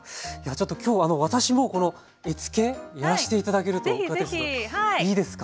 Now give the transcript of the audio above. ちょっと今日私もこの絵付けやらして頂けるといいですか？